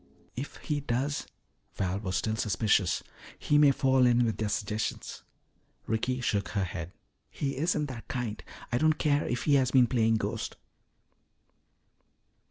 "If he does " Val was still suspicious. "He may fall in with their suggestions." Ricky shook her head. "He isn't that kind. I don't care if he has been playing ghost."